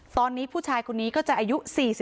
ตอนนี้ผู้ชายคนนี้ก็จะอายุ๔๒